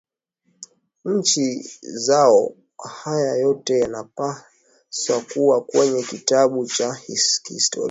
nchi zao haya yote yanapaswa kuwa kwenye kitabu Cha kihistoria